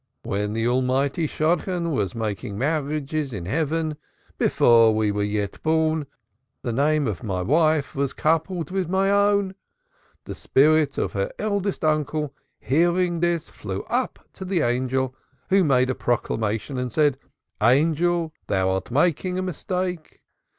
When the Almighty Shadchan was making marriages in Heaven, before we were yet born, the name of my wife was coupled with my own. The spirit of her eldest uncle hearing this flew up to the Angel who made the proclamation and said: 'Angel! thou art making a mistake.